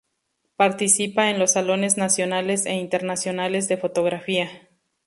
Participa en los Salones Nacionales e Internacionales de Fotografía.